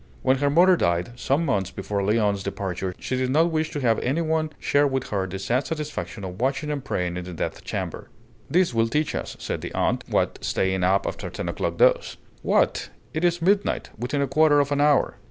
When her mother died, some months before Léon's departure, she did not wish to have any one share with her the sad satisfaction of watching and praying in the death chamber. "This will teach us," said the aunt, "what staying up after ten o'clock does. What! it is midnight, within a quarter of an hour!